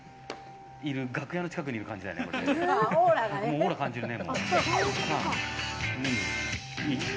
オーラ感じるね。